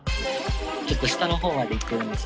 ちょっと下の方までいってるんです。